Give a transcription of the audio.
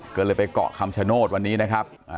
ก็เลยไปเกาะคำชโนธวันนี้นะครับ